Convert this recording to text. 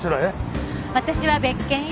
私は別件よ。